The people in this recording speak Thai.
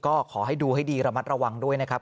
ก็ขอให้ดูให้ดีระมัดระวังด้วยนะครับ